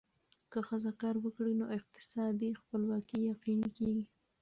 که ښځه کار وکړي، نو اقتصادي خپلواکي یقیني کېږي.